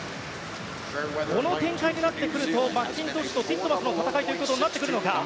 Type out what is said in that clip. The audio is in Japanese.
この展開になってくるとマッキントッシュとティットマスの戦いということになってくるのか。